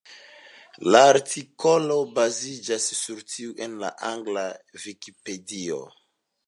La artikolo baziĝas sur tiu en la angla Vikipedio.